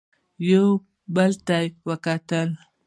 يو بل ته يې وکتل.